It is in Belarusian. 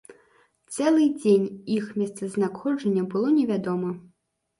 Цэлы дзень іх месцазнаходжанне было невядома.